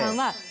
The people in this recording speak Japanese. あ。